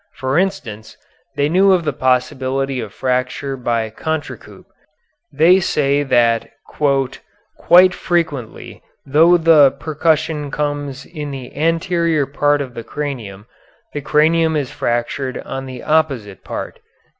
For instance, they knew of the possibility of fracture by contrecoup. They say that "quite frequently though the percussion comes in the anterior part of the cranium, the cranium is fractured on the opposite part."